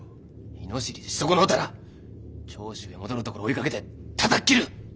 猪尻で仕損のうたら長州へ戻るところを追いかけてたたき斬る！